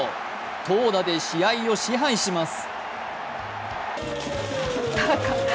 投打で試合を支配します。